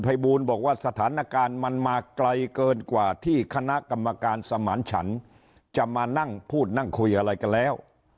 บอกว่าสถานการณ์มันมาไกลเกินกว่าที่คณะกรรมการสมานฉันจะมานั่งพูดนั่งคุยอะไรกันแล้ว